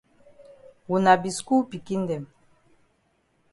Wuna be skul pikin dem.